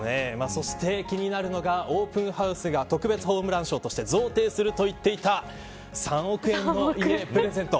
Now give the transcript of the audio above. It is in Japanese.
そして、気になるのがオープンハウスが特別ホームラン賞として贈呈すると言っていた３億円の家プレゼント。